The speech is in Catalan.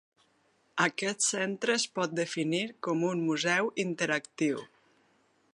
Aquest centre es pot definir com un museu interactiu.